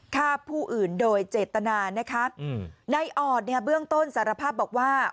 ฆ่าผู้อื่นโดยเจตนานะคะอืมนายออดเนี่ยเบื้องต้นสารภาพบอกว่า